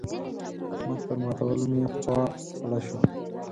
د احمد پر ماتولو مې خوا سړه شوه.